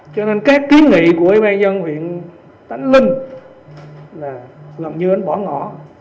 cho nên các kiến nghị của ủy ban dân huyện tánh linh là gần như bỏ ngõ